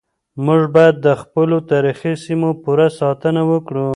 موږ بايد د خپلو تاريخي سيمو پوره ساتنه وکړو.